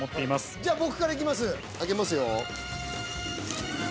じゃあ僕から行きます開けますよ。